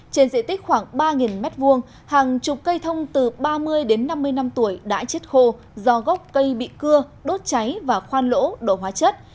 trên diện tích khoảng ba m hai hàng chục cây thông từ ba mươi đến năm mươi năm tuổi đã chết khô do gốc cây bị cưa đốt cháy và khoan lỗ đổ hóa chất